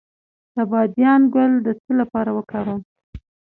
د بادیان ګل د څه لپاره وکاروم؟